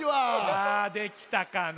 さあできたかな？